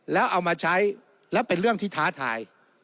แล้วเอามาใช้แล้วเป็นเรื่องที่ท้าทาย